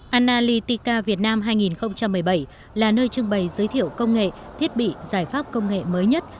analytika việt nam hai nghìn một mươi bảy là nơi trưng bày giới thiệu công nghệ thiết bị giải pháp công nghệ mới nhất